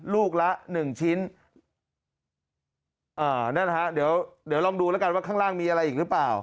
ลูกละหนึ่งชิ้นนั่นแหละฮะเดี๋ยวลองดูแล้วกันว่าข้างล่างมีอะไรอีกหรือเปล่า